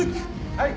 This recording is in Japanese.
はい。